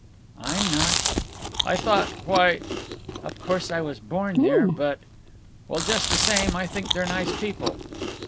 "I'm not." "I thought—why—" "Of course I was born there, but—" "Well, just the same, I think they're nice people."